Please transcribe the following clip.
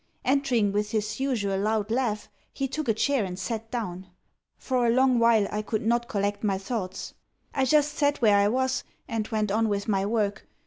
Entering with his usual loud laugh, he took a chair, and sat down. For a long while I could not collect my thoughts; I just sat where I was, and went on with my work.